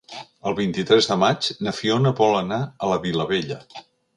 El vint-i-tres de maig na Fiona vol anar a la Vilavella.